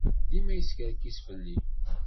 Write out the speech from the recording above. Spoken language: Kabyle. Dima yeskerkis fell-i.